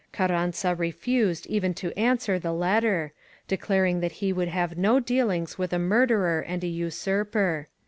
Carranza refused even to answer the letter, declaring that he would have no dealings with a murderer and a usurper.